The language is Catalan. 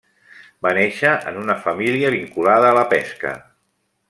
Va néixer en una família vinculada a la pesca.